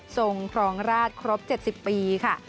ครองราชครบ๗๐ปีค่ะ